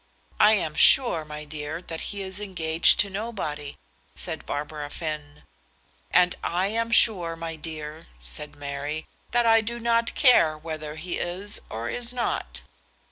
"I am sure, my dear, that he is engaged to nobody," said Barbara Finn. "And I am sure, my dear," said Mary, "that I do not care whether he is or is not."